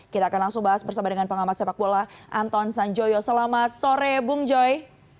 kita akan langsung bahas bersama dengan pengamat sepak bola anton sanjoyo selamat sore bung joy